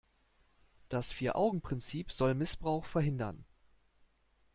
Das Vier-Augen-Prinzip soll Missbrauch verhindern.